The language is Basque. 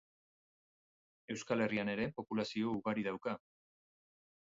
Euskal Herrian ere populazio ugari dauka.